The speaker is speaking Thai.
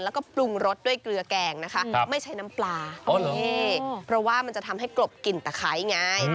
แล้วก็ปรุงรสด้วยเกลือแกงนะคะไม่ใช้น้ำปลานี่เพราะว่ามันจะทำให้กลบกลิ่นตะไคร้ไง